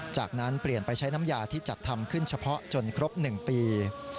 จากนั้นเปลี่ยนไปใช้น้ำยาที่จัดทำขึ้นเฉพาะจนครบ๑ปี